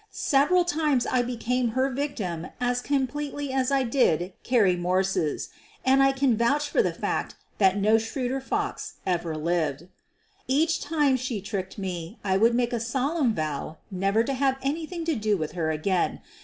Several times I be came her victim as completely as I did Carrie Morse's — and I can vouch for the fact that no shrewder fox ever lived. Each time she tricked me I would make a solemn vow never to have anything to do with her again.